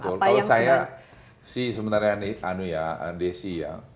kalau saya sih sebenarnya nih anu ya desi ya